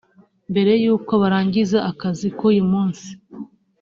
mbere y’uko barangiza akazi k’ uyu munsi